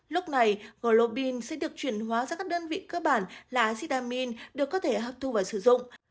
lúc này globin sẽ được chuyển hóa ra các đơn vị cơ bản là sitamine được có thể hấp thu và sử dụng